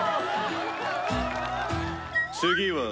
「次は」。